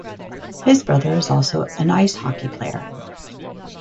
His brother is also an ice hockey player.